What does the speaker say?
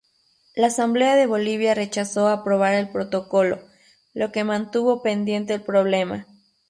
La Asamblea de Bolivia rechazó aprobar el protocolo, lo que mantuvo pendiente el problema.